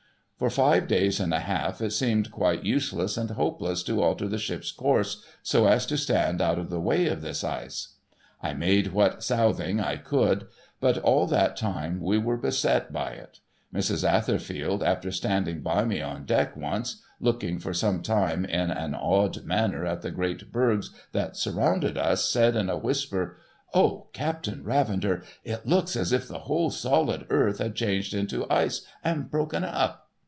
For five days and a half, it seemed quite useless and hopeless to alter the ship's course so as to stand out of the way of this ice. I made what southing I could ; but, all that time, we were beset by it. Mrs. Atherfield after standing by me on deck once, looking for some time in an awed manner at the great bergs that surrounded us, said in a whisper, ' O ! Captain Ravender, it looks as if the whole solid earth had changed into ice, and broken up